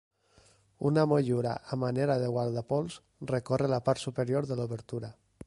Una motllura a manera de guardapols recorre la part superior de l'obertura.